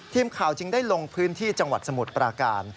ทีมข่าวจึงได้ลงพื้นที่จังหวัดสมุทรปราการ